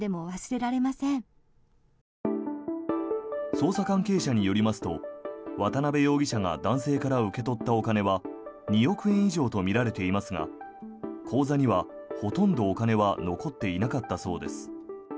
捜査関係者によりますと渡邊容疑者が男性から受け取ったお金は２億円以上とみられていますが口座にはほとんどお金は残っていなかったそうです。